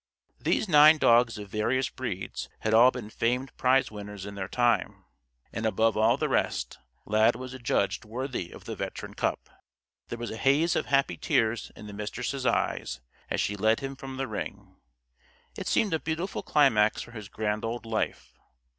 These nine dogs of various breeds had all been famed prize winners in their time. And above all the rest, Lad was adjudged worthy of the "veteran cup!" There was a haze of happy tears in the Mistress' eyes as she led him from the ring. It seemed a beautiful climax for his grand old life.